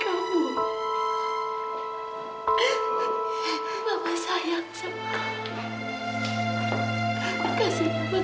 aku kasih dirimu kesempatan